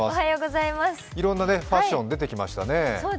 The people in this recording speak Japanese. いろんなファッション、出てきましたね。